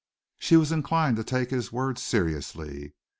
She was inclined to take his words seriously.